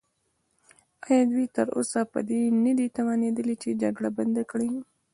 ایا دوی تراوسه په دې نه دي توانیدلي چې جګړه بنده کړي؟